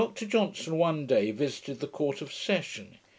] Dr Johnson one day visited the Court of Session.